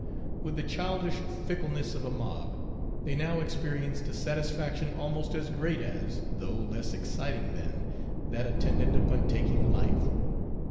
With the childish fickleness of a mob, they now experienced a satisfaction almost as great as, though less exciting than, that attendant upon taking life.